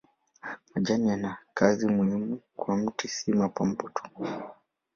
Majani yana kazi muhimu kwa mti si mapambo tu.